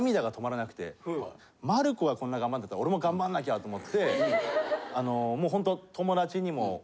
まる子がこんな頑張るんだったら俺も頑張らなきゃと思ってあのもうホント。